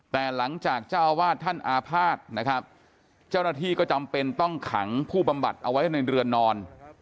แต่หลังจากเจ้าวาดท่านอาภาษณ์นะครับเจ้าหน้าที่ก็จำเป็นต้องขังผู้บำบัดเอาไว้ในเรือนนอน